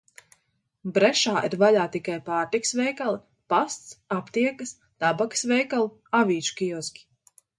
Brešā ir vaļā tikai pārtikas veikali, pasts, aptiekas, tabakas veikali, avīžu kioski.